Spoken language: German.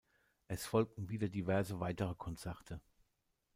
Es folgten wieder diverse weitere Konzerte.